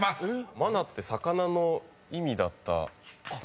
マナって魚の意味だったとしたら。